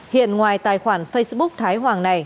hiện ngoài tài khoản facebook thái hoàng này